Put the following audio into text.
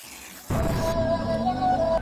موږ په ټولني کي يو ځای کار کوو.